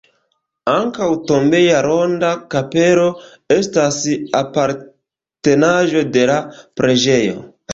Ankaŭ tombeja ronda kapelo estas apartenaĵo de la preĝejo.